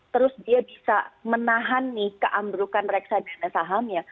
terus dia bisa menahani keambrukan reksadana sahamnya